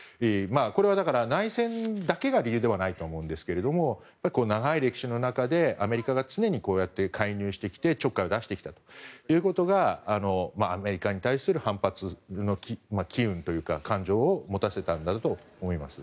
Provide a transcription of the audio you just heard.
これは、内戦だけが理由ではないと思うんですけど長い歴史の中でアメリカが常に介入してきてちょっかいを出してきたということがアメリカに対する反発の機運というか感情を持たせたんだと思います。